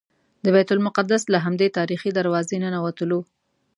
د بیت المقدس له همدې تاریخي دروازې ننوتلو.